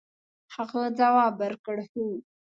هغه ځواب ورکړ هو.